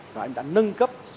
và anh đã nâng cấp